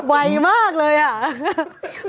ไวมากเลยอ่ะ